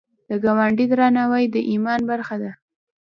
د ګاونډي درناوی د ایمان برخه ده